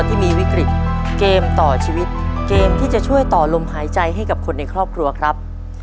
ที่มีวิกฤตเกมต่อชีวิตเกมที่จะช่วยต่อลมหายใจให้กับคนในครอบครัวครับ